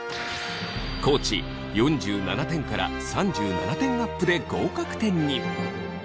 地４７点から３７点アップで合格点に！